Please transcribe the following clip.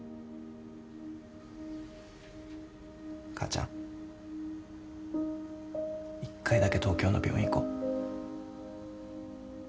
母ちゃん一回だけ東京の病院行こう。